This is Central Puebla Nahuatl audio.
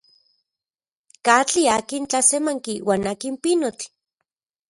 ¿Katli akin tlasemanki uan akin pinotl?